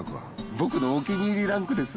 僕のお気に入りランクです。